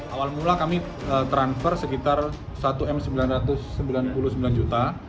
awal mula kami transfer sekitar satu m sembilan ratus sembilan puluh sembilan juta